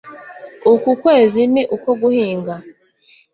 uku kwezi ni uko guhinga